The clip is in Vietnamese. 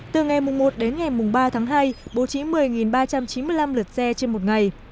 từ ngày một đến ngày ba tháng hai bố trí một mươi ba trăm chín mươi năm lượt xe trên một ngày